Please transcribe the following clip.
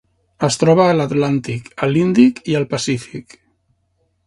Es troba a l'Atlàntic, a l'Índic i al Pacífic.